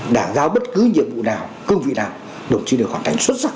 đảng giao bất cứ nhiệm vụ nào cương vị nào đồng chí đều hoàn thành xuất sắc